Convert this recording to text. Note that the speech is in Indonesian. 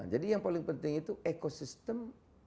jadi yang paling penting itu ekosistem